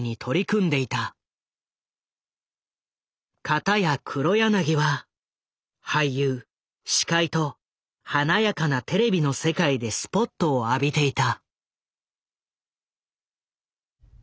片や黒柳は俳優司会と華やかなテレビの世界でスポットを浴びていた。